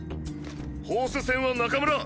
ホース線は中村。